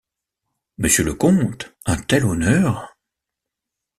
Monsieur le comte, un tel honneur. ..